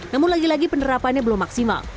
namun lagi lagi penerapannya belum maksimal